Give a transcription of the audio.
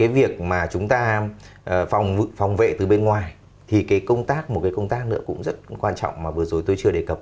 việc mà chúng ta phòng vệ từ bên ngoài thì cái công tác một cái công tác nữa cũng rất quan trọng mà vừa rồi tôi chưa đề cập